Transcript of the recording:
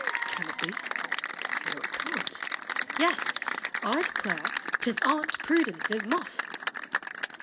Can it be? no, it can't, Yes, I declare 't is Aunt Prudence's Muff!